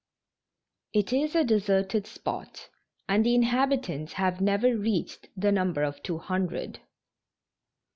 It is a deserted spot, and the inhabitants have never reached the number of two hundred.